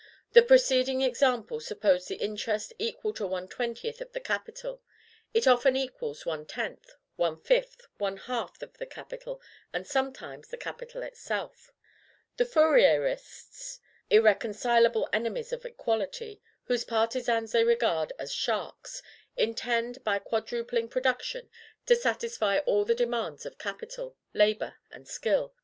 The preceding example supposed the interest equal to one twentieth of the capital, it often equals one tenth, one fifth, one half of the capital; and sometimes the capital itself. The Fourierists irreconcilable enemies of equality, whose partisans they regard as SHARKS intend, by quadrupling production, to satisfy all the demands of capital, labor, and skill.